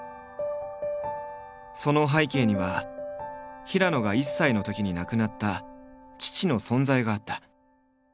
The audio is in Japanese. その背景には平野が１歳のときに亡くなった父の存在があった。